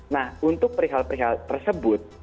nah untuk perihal perihal tersebut